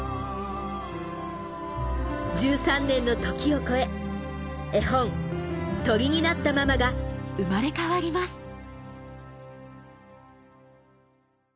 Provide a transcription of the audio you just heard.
１３年の時を超え絵本『鳥になったママ』が生まれ変わります